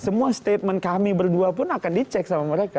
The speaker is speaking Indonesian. semua statement kami berdua pun akan dicek sama mereka